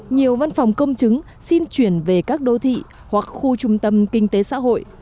nhiều văn phòng công chứng xin chuyển về các đô thị hoặc khu trung tâm kinh tế xã hội